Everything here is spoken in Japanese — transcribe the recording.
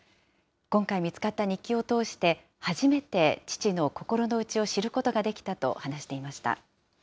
今回、見つかった日記を通して初めて父の心の内を知ることができたと話していました。